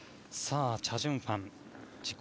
チャ・ジュンファン自己